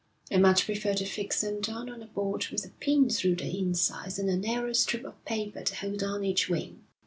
'I much prefer to fix them down on a board with a pin through their insides and a narrow strip of paper to hold down each wing.'